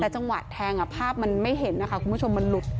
แต่จังหวะแทงภาพมันไม่เห็นนะคะคุณผู้ชมมันหลุด